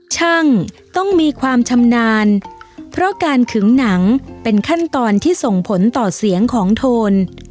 ช่างต้องมีความชำนาญเพราะการขึงหนังเป็นขั้นตอนที่ส่งผลต่อเสียงของโทน